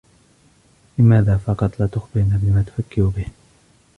لماذا فقط لا تخبرنا بما تفكر به ؟